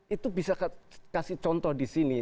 itu bisa kasih contoh disini